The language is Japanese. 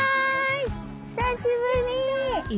久しぶり。